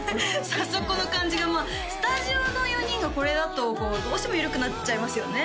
早速この感じがスタジオの４人がこれだとどうしても緩くなっちゃいますよね